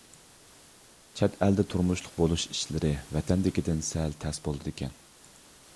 چەت ئەلدە تۇرمۇشلۇق بولۇش ئىشلىرى ۋەتەندىكىدىن سەل تەس بولىدىكەن.